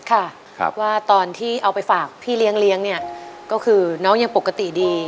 คุณลุงค่ะว่าตอนที่เอาไปฝากพี่เลี้ยงเนี่ยก็คือน้องยังปกติดี